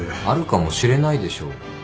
あるかもしれないでしょう。